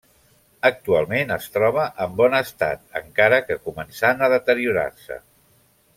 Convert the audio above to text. Actualment es troba en bon estat, encara que començant a deteriorar-se.